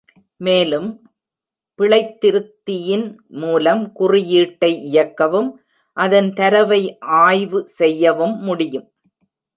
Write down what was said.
மேலும், பிழைத்திருத்தியின் மூலம் குறியீட்டை இயக்கவும் அதன் தரவை ஆய்வு செய்யவும் முடியும்.